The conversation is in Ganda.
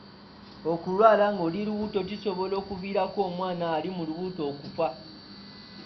Okulwala ng'oli lubuto kisobola okuviirako omwana ali mu lubuto okufa.